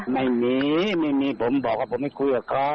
ไม่มีไม่มีผมบอกว่าผมไม่คุยกับเขา